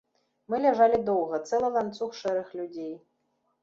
Мы ляжалі доўга, цэлы ланцуг шэрых людзей.